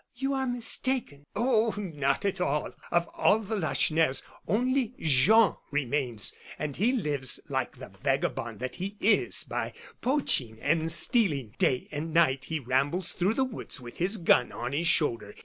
"You are mistaken." "Oh, not at all! Of all the Lacheneurs only Jean remains, and he lives like the vagabond that he is, by poaching and stealing. Day and night he rambles through the woods with his gun on his shoulder.